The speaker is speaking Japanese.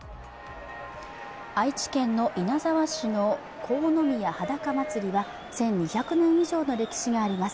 愛知県の稲沢市の国府宮はだか祭は１２００年以上の歴史があります。